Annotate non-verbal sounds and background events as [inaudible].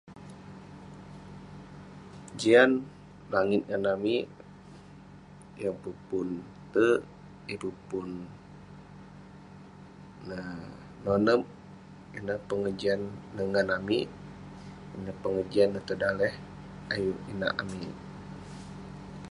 Jian langit ngan amik yeng peh pun tek yeng peh pun um nonek [unintelligible] ineh pegejian ngan amik, ineh pegejian daleh ayuk inak amik.